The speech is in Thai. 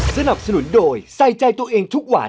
สนับสนุนโดยใส่ใจตัวเองทุกวัน